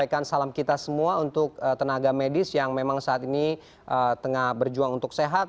dan salam kita semua untuk tenaga medis yang memang saat ini tengah berjuang untuk sehat